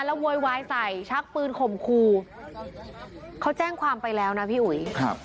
แล้วโวยวายใส่ชักปืนข่มครูเขาแจ้งความไปแล้วนะพี่อุ๋ยครับ